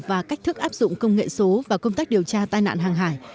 và cách thức áp dụng công nghệ số vào công tác điều tra tai nạn hàng hải